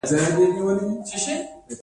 آیا مسلکي کادرونه روزل کیږي؟